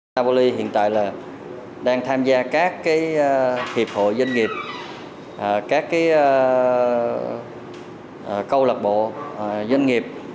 tabollah hiện tại đang tham gia các hiệp hội doanh nghiệp các câu lạc bộ doanh nghiệp